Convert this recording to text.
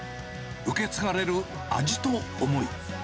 受け継がれる味と思い。